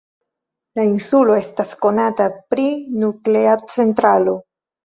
La insulo estas konata pri nuklea centralo.